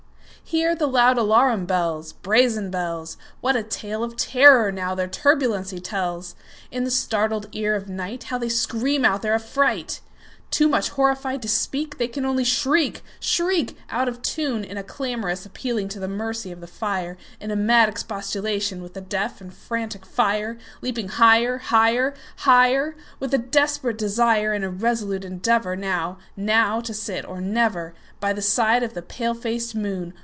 Hear the loud alarum bells, Brazen bells! What a tale of terror, now, their turbulency tells! In the startled ear of nightHow they scream out their affright! Too much horrified to speak, They can only shriek, shriek, Out of tune, In a clamorous appealing to the mercy of the fire, In a mad expostulation with the deaf and frantic fire, Leaping higher, higher, higher, With a desperate desire, And a resolute endeavorNow—now to sit or never, By the side of the pale faced moon.